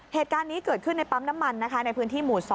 เหตุการณ์นี้เกิดขึ้นในปั๊มน้ำมันนะคะในพื้นที่หมู่๒